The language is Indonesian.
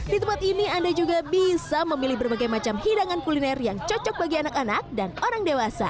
di tempat ini anda juga bisa memilih berbagai macam hidangan kuliner yang cocok bagi anak anak dan orang dewasa